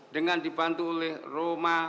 dengan dibantu oleh roma